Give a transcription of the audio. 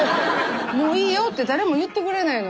「もういいよ」って誰も言ってくれないの。